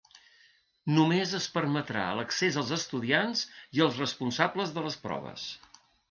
Només es permetrà l’accés als estudiants i als responsables de les proves.